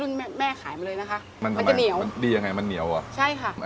แม่แม่ขายมาเลยนะคะมันมันจะเหนียวมันดียังไงมันเหนียวอ่ะใช่ค่ะ